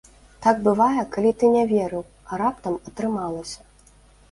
Так бывае, калі ты не верыў, а раптам атрымалася!